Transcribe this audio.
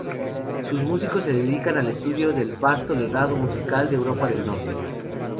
Sus músicos se dedican al estudio del vasto legado musical de Europa del Norte.